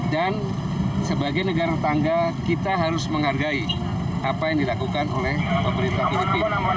dan sebagai negara tangga kita harus menghargai apa yang dilakukan oleh pemerintah filipina